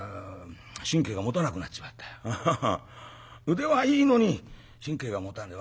腕はいいのに神経がもたねえ。